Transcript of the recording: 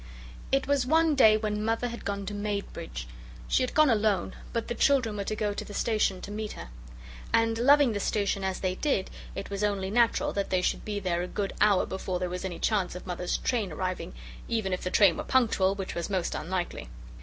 It was one day when Mother had gone to Maidbridge. She had gone alone, but the children were to go to the station to meet her. And, loving the station as they did, it was only natural that they should be there a good hour before there was any chance of Mother's train arriving, even if the train were punctual, which was most unlikely.